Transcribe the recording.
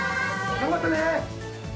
頑張ってね！